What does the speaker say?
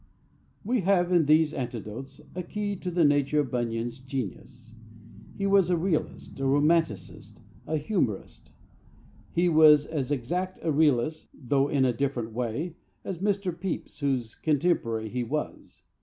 We have in these anecdotes a key to the nature of Bunyan's genius. He was a realist, a romanticist, and a humourist. He was as exact a realist (though in a different way) as Mr. Pepys, whose contemporary he was.